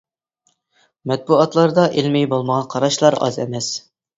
مەتبۇئاتلاردا ئىلمىي بولمىغان قاراشلار ئاز ئەمەس.